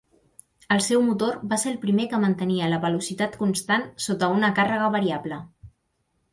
El seu motor va ser el primer que mantenia la velocitat constant sota una càrrega variable.